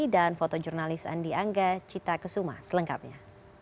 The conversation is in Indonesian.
dan fotojurnalis andi angga cita kesuma selengkapnya